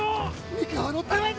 三河のために！